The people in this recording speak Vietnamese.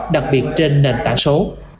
đặc biệt trên nền tảng số